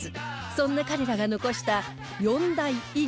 そんな彼らが残した４大偉業